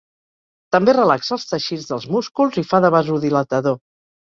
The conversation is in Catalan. També relaxa els teixits dels músculs i fa de vasodilatador.